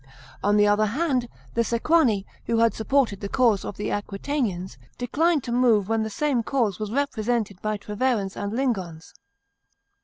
On the other hand, the Sequani, who had supported the cause of the Aquitanians, declined to move when the same cause was represented by Treverans and Lingons.